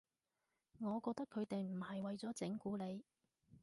我覺得佢哋唔係為咗整蠱你